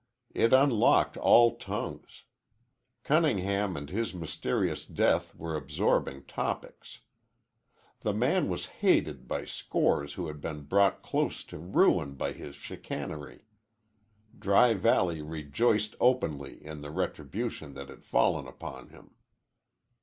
It unlocked all tongues. Cunningham and his mysterious death were absorbing topics. The man was hated by scores who had been brought close to ruin by his chicanery. Dry Valley rejoiced openly in the retribution that had fallen upon him.